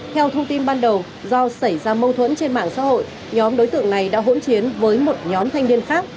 theo thông tin ban đầu do xảy ra mâu thuẫn trên mạng xã hội nhóm đối tượng này đã hỗn chiến với một nhóm thanh niên khác